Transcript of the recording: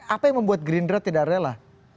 apa yang membuat gerindra tidak rela